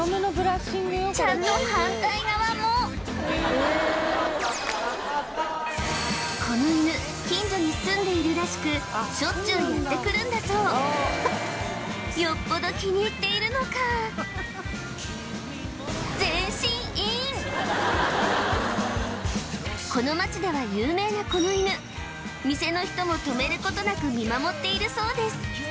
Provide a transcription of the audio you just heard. ちゃんと反対側もこの犬近所に住んでいるらしくしょっちゅうやって来るんだそうよっぽど気に入っているのかこの街では有名なこの犬店の人も止めることなく見守っているそうです